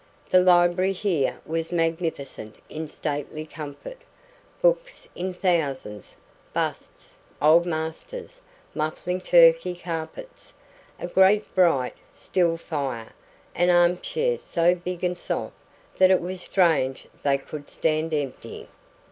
The library here was magnificent in stately comfort books in thousands, busts, old masters, muffling Turkey carpets, a great, bright, still fire, and armchairs so big and soft that it was strange they could stand empty.